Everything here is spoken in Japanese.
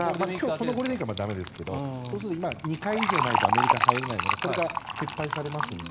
このゴールデンウィークは駄目ですけどそうすると今、２回以上ないとアメリカに入れないのがこれが撤廃されますので。